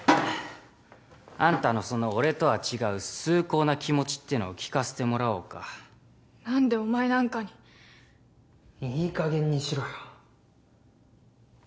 あんたのその俺とは違う崇高な気持ちってのを聞かせてもらおうかなんでお前なんかにいいかげんにしろよ